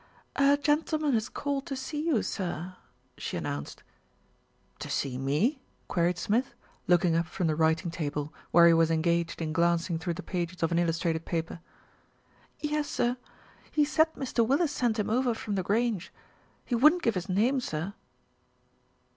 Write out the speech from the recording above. "A gentleman has called to see you, sir," she an nounced. "To see me?" queried Smith, looking up from the writing table where he was engaged in glancing through the pages of an illustrated paper. u Yes, sir. He said Mr. Willis sent him over from The Grange. He wouldn't give his name, sir."